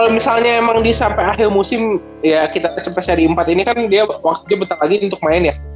kalau misalnya emang dia sampai akhir musim ya kita sampai seri empat ini kan dia waktunya betah lagi untuk main ya